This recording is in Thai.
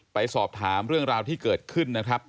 ไปสอบถามเรื่องราวที่เกิดขึ้นนะครับ